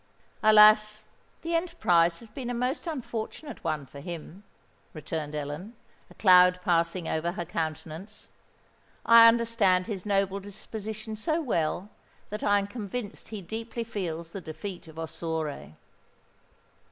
"Alas! the enterprise has been a most unfortunate one for him!" returned Ellen, a cloud passing over her countenance. "I understand his noble disposition so well, that I am convinced he deeply feels the defeat of Ossore."